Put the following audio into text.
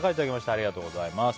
ありがとうございます。